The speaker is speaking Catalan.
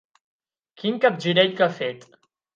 Quin capgirell que ha fet!